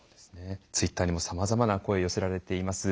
ツイッターにもさまざまな声寄せられています。